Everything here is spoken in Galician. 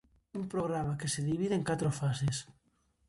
Un programa que se divide en catro fases.